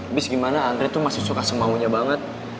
abis gimana andri tuh masih suka semaunya banget